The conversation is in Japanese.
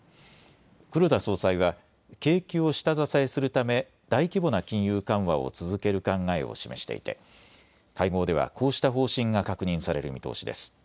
黒田総裁は景気を下支えするため大規模な金融緩和を続ける考えを示していて会合ではこうした方針が確認される見通しです。